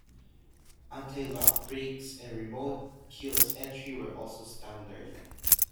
Anti-lock brakes and remote keyless entry were also standard.